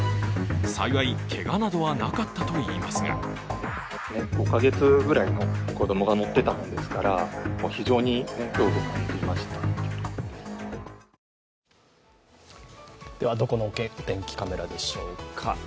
幸い、けがなどはなかったといいますがでは、どこのお天気カメラでしょうか？